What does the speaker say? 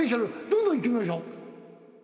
どんどんいってみましょう。